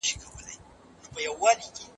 هغه کتابونه لوستل دي.